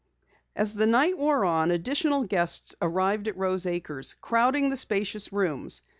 As the night wore on, additional guests arrived at Rose Acres, crowding the spacious rooms.